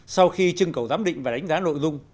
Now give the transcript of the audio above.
sau khi trưng cầu giám định và đánh giá nội dung